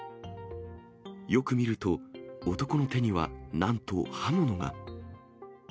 よく見ると、男の手には、なんと刃物が。